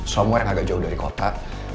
somewhere agak jauh dari kota